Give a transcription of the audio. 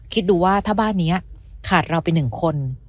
คิดดูว่าถ้าบ้านนี้ขาดเราเป็นหนึ่งคน